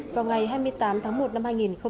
vào ngày hai mươi tám tháng một năm hai nghìn một mươi ba